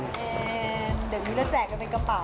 เดี๋ยวนี้แล้วแจกกันเป็นกระเป๋า